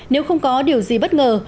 nếu không có điều gì bất ngờ